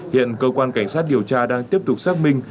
hiện cơ quan cảnh sát điều tra đang tiếp tục xác minh